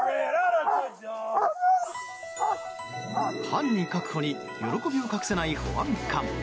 犯人確保に喜びを隠せない保安官。